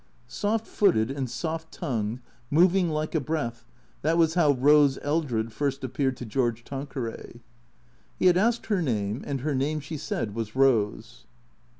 Soft footed and soft tongued, moving like a breath, that was how Eose Eldred first appeared to George Tanqueray. He had asked her name, and her name, she said, was Eose.